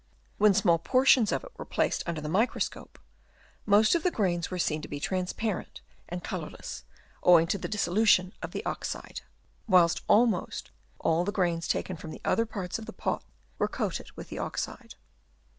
When small portions of it were placed under the microscope, most of the grains were seen to be transparent and colourless, owing to the dissolution of the oxide ; whilst almost all the grains taken from other parts of the pot were coated with the oxide.